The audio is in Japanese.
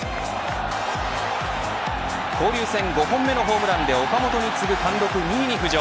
交流戦５本目のホームランで岡本に次ぐ単独２位に浮上。